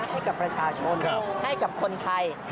ให้กับประชาชนเข้าความโธคให้กับคนไทย